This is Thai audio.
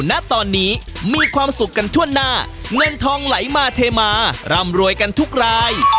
ณตอนนี้มีความสุขกันทั่วหน้าเงินทองไหลมาเทมาร่ำรวยกันทุกราย